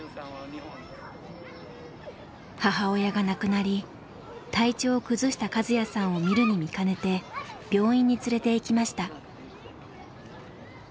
母親が亡くなり体調を崩したカズヤさんを見るに見かねて病院に連れていきました。